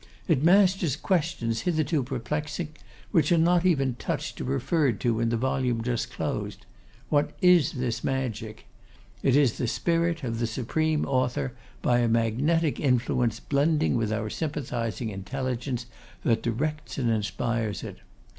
It masters questions hitherto perplexing, which are not even touched or referred to in the volume just closed. What is this magic? It is the spirit of the supreme author, by a magentic influence blending with our sympathising intelligence, that directs and inspires it.